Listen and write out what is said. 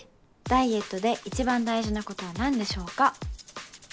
ダイエットで一番大事なことは何でしょうか？